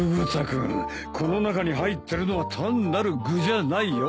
君この中に入ってるのは単なる具じゃないよ。